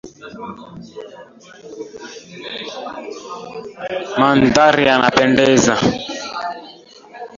Mandhari yanapendeza.